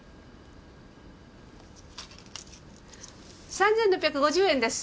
３，６５０円です。